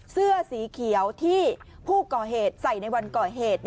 เสื้อสีเขียวที่ผู้ก่อเหตุใส่ในวันก่อเหตุ